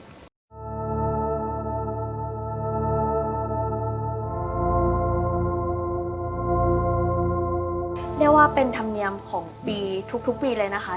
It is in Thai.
เรียกว่าเป็นธรรมเนียมของปีทุกปีเลยนะคะ